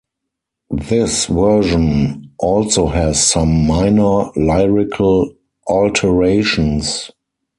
This version also has some minor lyrical alterations.